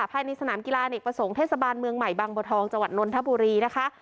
ภายในสนามกีฬาเนกประสงค์เทศบาลเมืองใหม่บางบัวทองจังหวัดนนทบุรีนะคะ